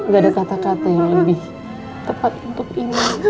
gak ada kata kata yang lebih tepat untuk ini